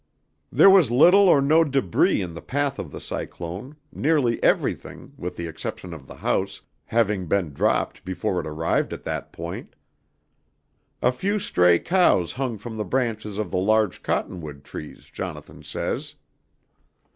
"There was little or no debris in the path of the cyclone, nearly everything, with the exception of the house, having been dropped before it arrived at that point. "A few stray cows hung from the branches of the large cottonwood trees, Jonathan says...."